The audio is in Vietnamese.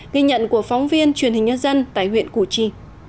ghi nhận của phóng viên truyền hình nhân dân tại huyện củ chi